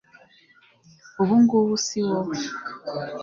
ubu ngubu si wowe